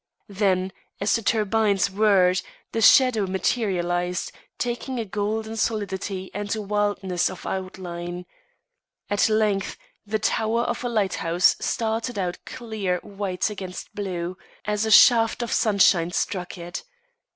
Then, as the turbines whirred, the shadow materialized, taking a golden solidity and wildness of outline. At length the tower of a lighthouse started out clear white against blue, as a shaft of sunshine struck it.